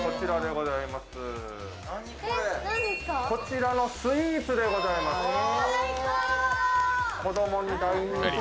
こちらのスイーツでございます。